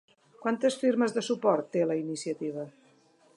Quantes firmes de suport té la iniciativa?